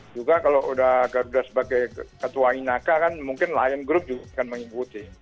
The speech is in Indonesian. juga kalau udah garuda sebagai ketua inaka kan mungkin lain grup juga akan mengikuti